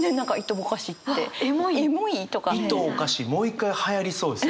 いとをかしもう一回はやりそうですよね。